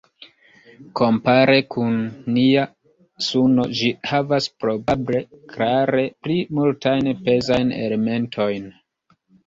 Kompare kun nia Suno ĝi havas probable klare pli multajn pezajn elementojn.